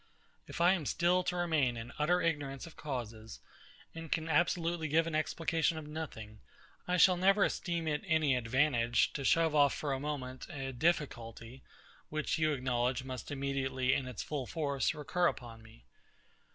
If I am still to remain in utter ignorance of causes, and can absolutely give an explication of nothing, I shall never esteem it any advantage to shove off for a moment a difficulty, which, you acknowledge, must immediately, in its full force, recur upon me.